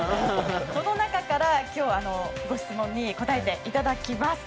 この中から今日ご質問に答えていただきます。